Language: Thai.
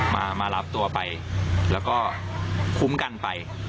มารับตัวไปแล้วก็คุ้มกันไป